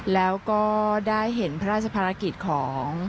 แล้วก็ได้เห็นพระราชภารกิจของ